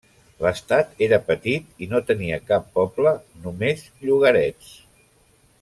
L'estat era petit i no tenia cap poble, només llogarets.